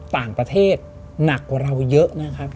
ต่างประเทศหนักกว่าเราเยอะนะครับ